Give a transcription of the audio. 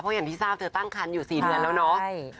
เพราะอย่างที่ทราบเธอตั้งครรภ์อยู่๔เดือนแล้วเนอะ